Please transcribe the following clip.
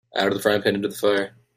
Out of the frying-pan into the fire.